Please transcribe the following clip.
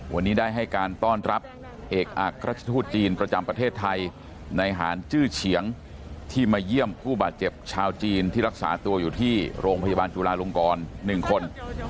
วันนี้ได้ให้การต้อนรับเอกอักราชทูตจีนประจำประเทศไทยในหารจื้อเฉียงที่มาเยี่ยมผู้บาดเจ็บชาวจีนที่รักษาตัวอยู่ที่โรงพยาบาลจุลาลงกร๑คน